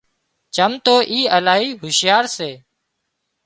چم تو اِي الاهي هُوشيار سي